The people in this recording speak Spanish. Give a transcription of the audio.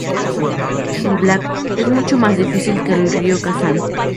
El Back es mucho más difícil que el río Kazan.